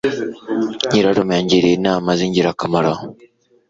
Nyirarume yangiriye inama zingirakamaro